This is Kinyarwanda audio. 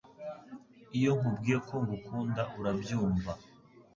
Iyo nkubwiye ko ngukunda urabyumva